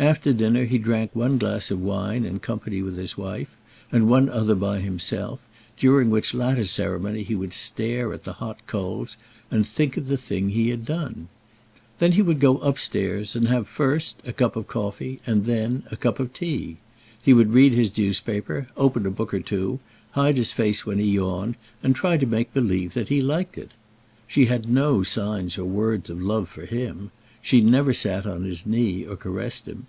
After dinner, he drank one glass of wine in company with his wife, and one other by himself, during which latter ceremony he would stare at the hot coals, and think of the thing he had done. Then he would go upstairs, and have, first a cup of coffee, and then a cup of tea. He would read his newspaper, open a book or two, hide his face when he yawned, and try to make believe that he liked it. She had no signs or words of love for him. She never sat on his knee, or caressed him.